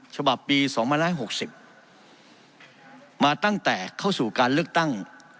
ฉบับปีสองพันห้าร้ายหกสิบมาตั้งแต่เข้าสู่การเลือกตั้ง